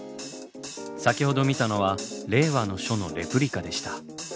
先ほど見たのは「令和」の書のレプリカでした。